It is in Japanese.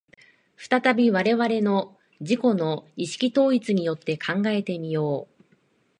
再び我々の自己の意識統一によって考えて見よう。